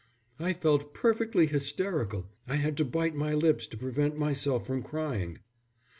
"I felt perfectly hysterical. I had to bite my lips to prevent myself from crying."